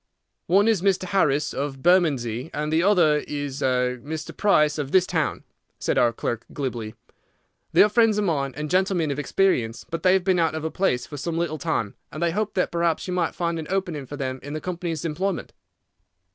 "One is Mr. Harris, of Bermondsey, and the other is Mr. Price, of this town," said our clerk, glibly. "They are friends of mine and gentlemen of experience, but they have been out of a place for some little time, and they hoped that perhaps you might find an opening for them in the company's employment."